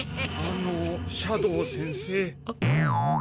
あの斜堂先生。